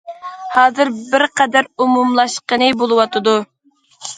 ھازىر بىرقەدەر ئومۇملاشقىنى بولۇۋاتىدۇ.